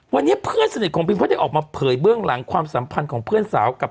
วันนี้เพื่อนสนิทของพิมก็ได้ออกมาเผยเบื้องหลังความสัมพันธ์ของเพื่อนสาวกับ